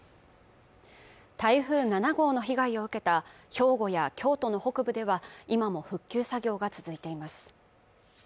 台風７号の被害を受けた兵庫や京都の北部では今も復旧作業が続いています